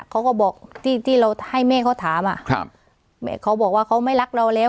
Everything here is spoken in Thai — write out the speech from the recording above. เขาก็บอกที่ที่เราให้แม่เขาถามอ่ะครับแม่เขาบอกว่าเขาไม่รักเราแล้ว